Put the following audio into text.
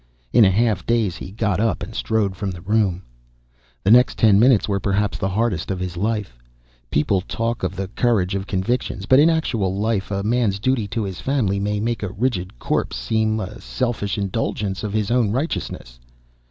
In a half daze he got up and strode from the room. The next ten minutes were perhaps the hardest of his life. People talk of the courage of convictions, but in actual life a man's duty to his family may make a rigid corpse seem a selfish indulgence of his own righteousness.